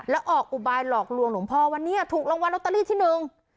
แล้วออกอุบายหลอกลวงหลวงพ่อว่าเนี่ยถูกรางวัลลอตเตอรี่ที่หนึ่ง